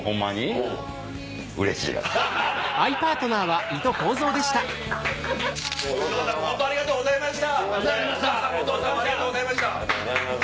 お父さんもありがとうございました。